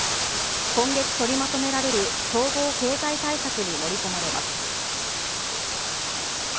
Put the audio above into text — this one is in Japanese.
今月取りまとめられる総合経済対策に盛り込まれます。